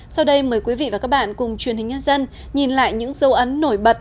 sau đây mời quý vị và các bạn cùng truyền hình nhân dân nhìn lại những dấu ấn nổi bật